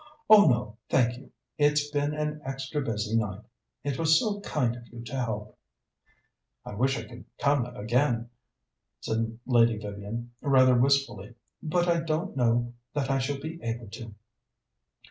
"Oh no, thank you. It's been an extra busy night. It was so kind of you to help." "I wish I could come again," said Lady Vivian rather wistfully, "but I don't know that I shall be able to."